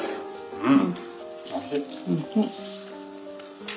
うん？